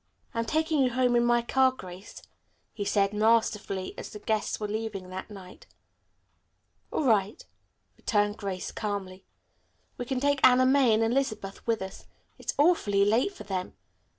"I'm going to take you home in my car, Grace," he said masterfully, as the guests were leaving that night. "All right," returned Grace calmly. "We can take Anna May and Elizabeth with us. It's awfully late for them.